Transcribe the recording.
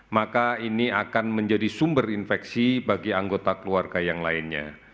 maka ini akan menjadi sumber infeksi bagi anggota keluarga yang lainnya